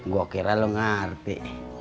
gua kira lu ngerti